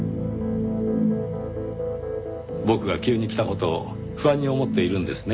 僕が急に来た事を不安に思っているんですね。